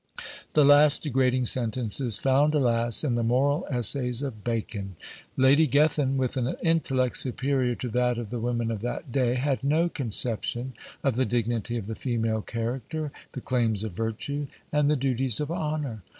The last degrading sentence is found alas! in the Moral Essays of Bacon. Lady Gethin, with an intellect superior to that of the women of that day, had no conception of the dignity of the female character, the claims of virtue, and the duties of honour.